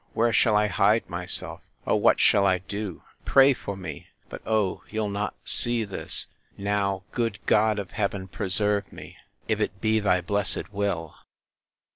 Where shall I hide myself?—O! What shall I do? Pray for me! But oh! you'll not see this!—Now, good God of heaven, preserve me; if it be thy blessed will!